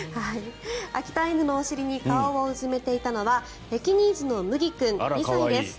秋田犬のお尻に顔をうずめていたのはペキニーズの麦君、２歳です。